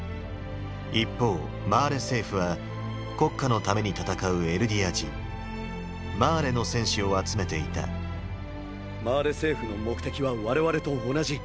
一方マーレ政府は国家のために戦うエルディア人「マーレの戦士」を集めていたマーレ政府の目的は我々と同じ。